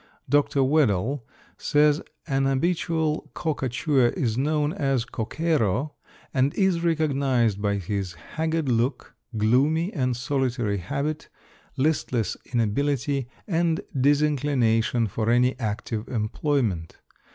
Dr. Wedell says an habitual coca chewer is known as coquero and is recognized by his haggard look, gloomy and solitary habit, listless inability, and disinclination for any active employment.